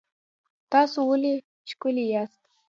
تاسو ولې ښکلي یاست؟